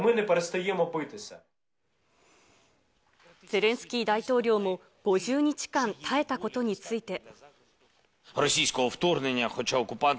ゼレンスキー大統領も、５０日間耐えたことについて。